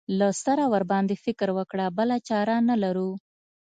له سره ورباندې فکر وکړو بله چاره نه لرو.